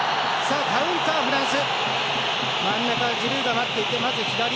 カウンター、フランス。